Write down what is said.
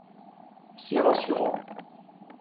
C’est rassurant